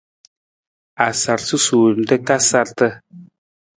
A sar susuur nra ka sarata.